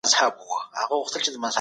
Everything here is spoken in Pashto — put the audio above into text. د زکات فریضه د غریبانو یو ثابت حق دی.